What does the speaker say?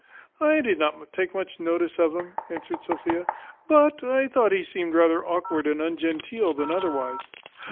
"I did not take much notice of him," answered Sophia, "but I thought he seemed rather awkward, and ungenteel than otherwise."